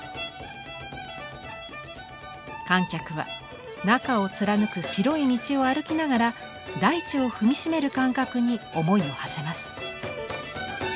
観客は中を貫く白い道を歩きながら大地を踏み締める感覚に思いをはせます。